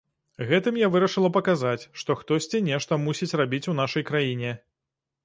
Гэтым я вырашыла паказаць, што хтосьці нешта мусіць рабіць у нашай краіне.